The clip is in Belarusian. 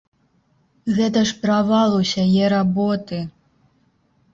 Гэта ж правал усяе работы!